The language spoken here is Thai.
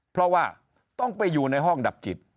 เพราะว่าต้องไปอยู่ในห้องดับจิต